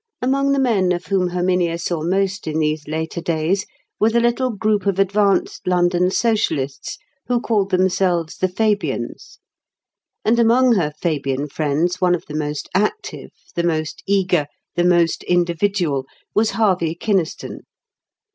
Among the men of whom Herminia saw most in these later days, were the little group of advanced London socialists who call themselves the Fabians. And among her Fabian friends one of the most active, the most eager, the most individual, was Harvey Kynaston.